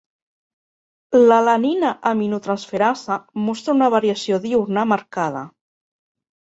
L'alanina-aminotransferasa mostra una variació diürna marcada.